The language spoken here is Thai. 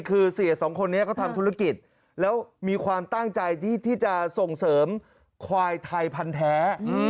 คือเสียสองคนนี้เขาทำธุรกิจแล้วมีความตั้งใจที่จะส่งเสริมควายไทยพันธ์แท้